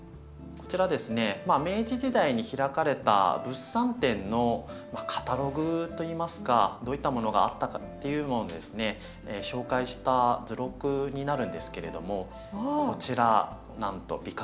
こちらですね明治時代に開かれた物産展のカタログといいますかどういったものがあったかっていうのをですね紹介した図録になるんですけれどもこちらなんとビカクシダが登場していたんです。